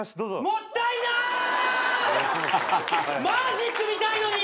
マジック見たいのに。